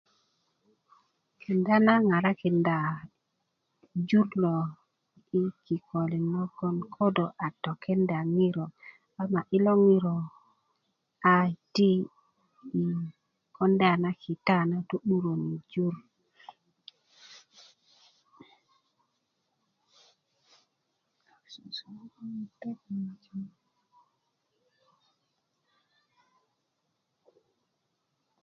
kenda na ŋarakinda jur lo yi kikolin logoŋ ko do a tokenda ŋiro ama i lo ŋiro a ti konda na kita na to'dura na jur